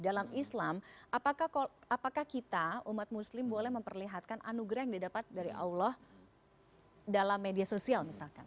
dalam islam apakah kita umat muslim boleh memperlihatkan anugerah yang didapat dari allah dalam media sosial misalkan